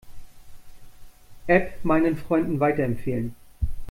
App meinen Freunden weiterempfehlen.